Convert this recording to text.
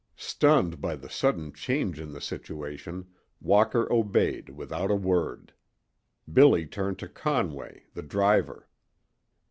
Stunned by the sudden change in the situation, Walker obeyed without a word. Billy turned to Conway, the driver.